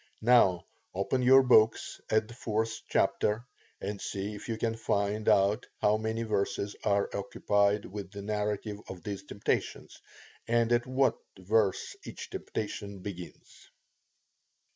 Now, open your books at the 4th chapter, and see if you can find out how many verses are occupied with the narrative of these temptations, and at what verse each temptation begins.